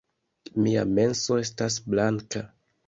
Mia menso estas blanka